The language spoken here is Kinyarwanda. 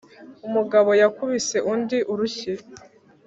umugabo yakubise undi urushyi